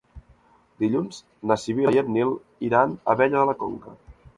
Dilluns na Sibil·la i en Nil iran a Abella de la Conca.